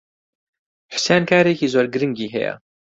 حوسێن کارێکی زۆر گرنگی ھەیە.